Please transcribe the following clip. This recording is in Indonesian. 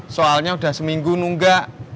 soalnya udah seminggu nunggak